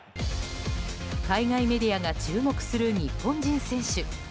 海外メディアが注目する日本人選手。